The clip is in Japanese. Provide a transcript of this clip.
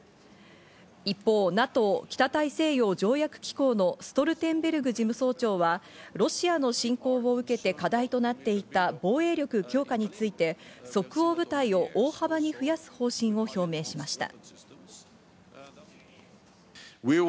一方、ＮＡＴＯ＝北大西洋条約機構のストルテンベルグ事務総長はロシアの侵攻を受けて課題となっていた防衛力強化について即応部隊を大幅に増やす方針を表明しました。